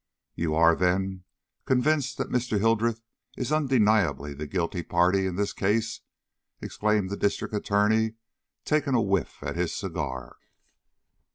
"You are, then, convinced that Mr. Hildreth is undeniably the guilty party in this case?" exclaimed the District Attorney, taking a whiff at his cigar.